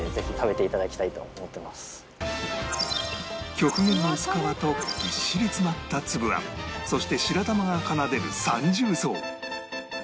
極限の薄皮とぎっしり詰まったつぶあんそして白玉が奏でる三重奏